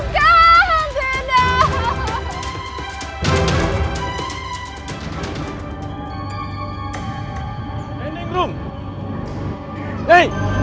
kau lepaskan dena